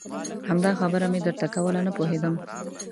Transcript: همدا خبره مې درته کوله نه پوهېدم.